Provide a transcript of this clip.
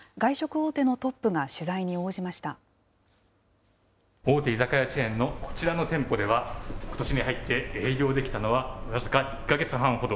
大手居酒屋チェーンのこちらの店舗では、ことしに入って営業できたのは僅か１か月半ほど。